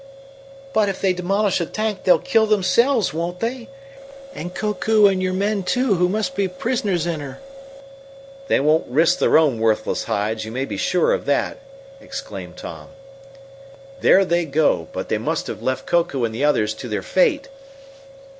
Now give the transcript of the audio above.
"But if they demolish the tank they'll kill themselves, won't they? And Koku and your men, too, who must be prisoners in her!" "They won't risk their own worthless hides, you may be sure of that!" exclaimed Tom. "There they go, but they must have left Koku and the others to their fate!"